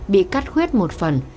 bị cắt khuyết một phần